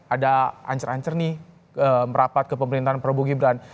ada ancur ancur nih merapat ke pemerintahan prabowo gibran